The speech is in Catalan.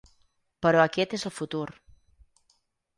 Però aquest és el futur.